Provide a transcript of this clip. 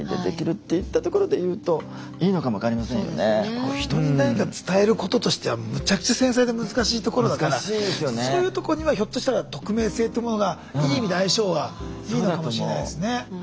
こう人に何か伝えることとしてはむちゃくちゃ繊細で難しいところだからそういうとこにはひょっとしたら匿名性ってものがいい意味で相性はいいのかもしれないですね。